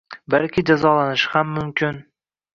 Balki jazolanishi ham mumkin